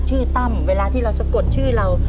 ตั้มเวลาที่เราสะกดชื่อเรา